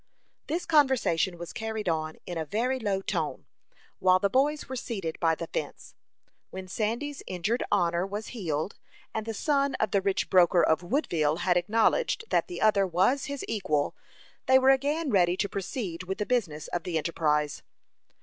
This conversation was carried on in a very low tone, while the boys were seated by the fence. When Sandy's injured honor was healed, and the son of the rich broker of Woodville had acknowledged that the other was his equal, they were again ready to proceed with the business of the enterprise.